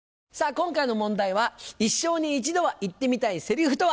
今回の問題は「一生に一度は言ってみたいセリフとは？」。